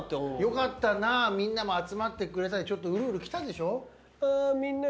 よかったなみんなも集まってくれたりうるうるきたでしょ。